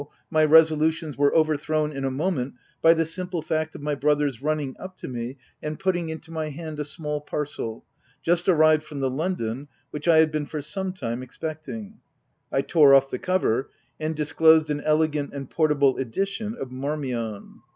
my resolu tions were overthrown in a moment, by the simple fact of my brother's running up to me and putting into my hand a small parcel, just arrived from London, which 1 had been for some time expecting. I tore off the cover, and disclosed an elegant and portable edition of " Marmion."